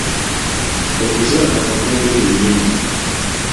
Okuzaala magombe gennyini.